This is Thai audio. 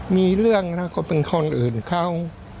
มีเรื่องนะก็เป็นคนอื่นเขา